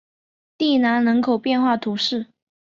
蒂兰人口变化图示